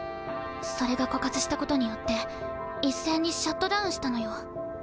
それが枯渇したことによって一斉にシャットダウンしたのよ。